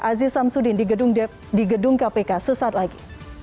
aziz samsudin di gedung kpk sesaat lagi